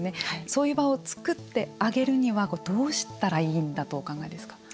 そういう場を作ってあげるにはどうしたらいいんだとお考えですか。